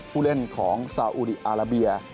ผู้เล่นของซาอุดีอาราเบีย